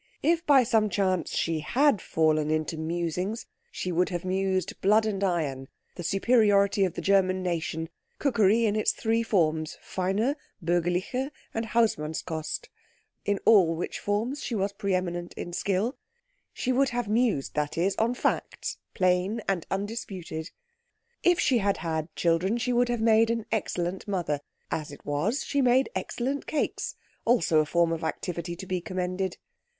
If by some chance she had fallen into musings, she would have mused blood and iron, the superiority of the German nation, cookery in its three forms feine, bürgerliche, and Hausmannskost, in all which forms she was preëminent in skill she would have mused, that is, on facts, plain and undisputed. If she had had children she would have made an excellent mother; as it was she made excellent cakes also a form of activity to be commended.